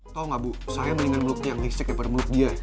tau gak bu saya mendingan mulut yang listrik daripada mulut dia